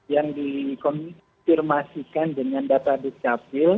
yang dikonfirmasikan dengan data dukcapil